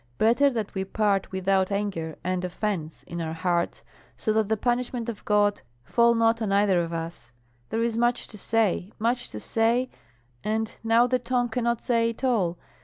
Better that we part without anger and offence in our hearts, so that the punishment of God fall not on either of us. There is much to say, much to say, and now the tongue cannot say it all.